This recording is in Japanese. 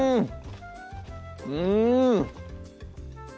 うん！